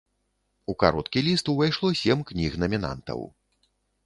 У кароткі ліст увайшло сем кніг-намінантаў.